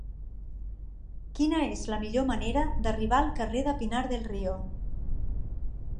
Quina és la millor manera d'arribar al carrer de Pinar del Río?